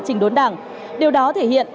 chỉnh đốn đảng điều đó thể hiện